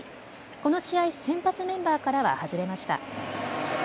この試合、先発メンバーからは外れました。